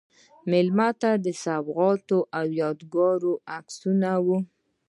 میلمنو ته سوغاتونه او یادګاري عکسونه و.